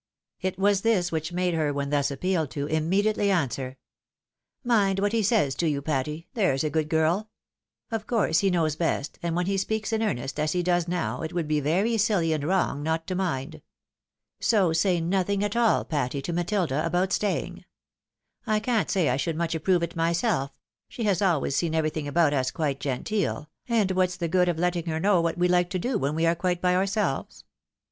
It was this which made her, when thus ap pealed to, immediately answer, "Mind what he says to you, Patty, there's a good girl. Of course he knows best, and when he speaks in earnest, as he does now, it would be very siUy and wrong not to mind. So say nothing at all, Patty, to Matilda about staying. I can't say I should much approve it myself ^ she has always seen everything about us quite genteel, and what's the good of letting her know what we Uke to do when we are quite by ourselves